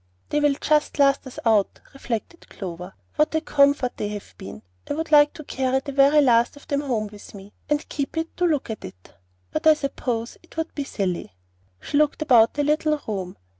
"They will just last us out," reflected Clover; "what a comfort they have been! I would like to carry the very last of them home with me, and keep it to look at; but I suppose it would be silly." She looked about the little room.